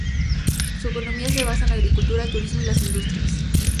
Su economía se basa en la agricultura, el turismo y las industrias.